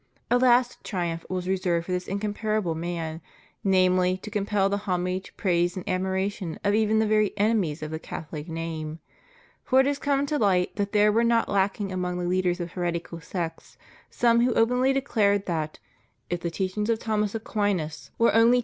A last triumph was reserved for this incomparable man — namely, to compel the homage, praise, and ad miration of even the very enemies of the Cathohc name. For it has come to light that there were not lacking among the leaders of heretical sects some who openly declared that, if the teaching of Thomas Aquinas were only taken » Const.